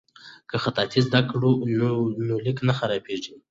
که خطاطي زده کړو نو لیک نه خرابیږي.